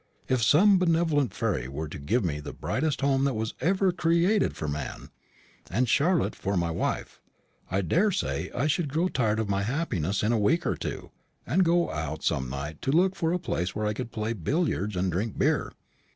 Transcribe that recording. "If some benevolent fairy were to give me the brightest home that was ever created for man, and Charlotte for my wife, I daresay I should grow tired of my happiness in a week or two, and go out some night to look for a place where I could play billiards and drink beer.